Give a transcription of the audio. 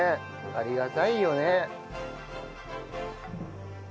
ありがたいよね。